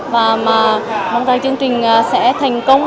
và mong rằng chương trình sẽ thành công